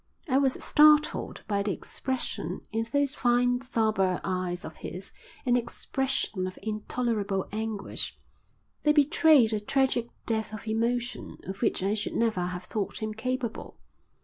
I was startled by the expression in those fine sombre eyes of his, an expression of intolerable anguish; they betrayed a tragic depth of emotion of which I should never have thought him capable.